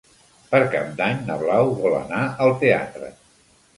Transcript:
Per Cap d'Any na Blau vol anar al teatre.